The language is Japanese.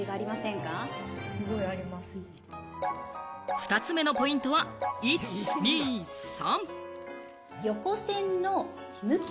２つ目のポイントは、一・二・三。